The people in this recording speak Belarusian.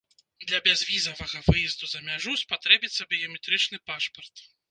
Для бязвізавага выезду за мяжу спатрэбіцца біяметрычны пашпарт.